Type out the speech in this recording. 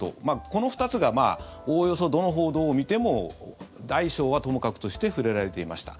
この２つがおおよそどの報道を見ても大小はともかくとして触れられていました。